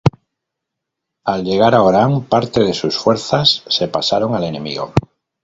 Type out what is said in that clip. Al llegar a Orán, parte de sus fuerzas se pasaron al enemigo.